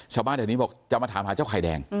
ชาวบ้านแถวนี้บอกจะมาถามหาเจ้าไข่แดง